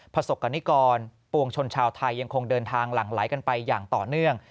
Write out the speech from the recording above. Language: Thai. พระศกรรมการรุ่งปวงชนชาวไทยยังคงเดินทางหลั่งไลท์ไปอย่างต่อเนื่อง